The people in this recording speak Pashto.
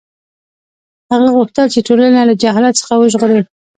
هغه غوښتل چې ټولنه له جهالت څخه وژغوري.